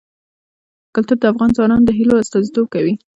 کلتور د افغان ځوانانو د هیلو استازیتوب کوي.